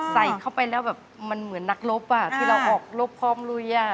ใส่เข้าไปแล้วแบบมันเหมือนนักรบที่เราออกรบพร้อมลุย